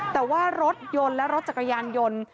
แต่ว่ารถยนต์และรถจักรยานยนต์